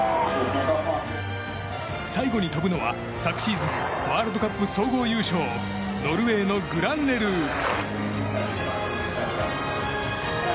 最後に飛ぶのは昨シーズンワールドカップ総合優勝、ノルウェーのグランネルー。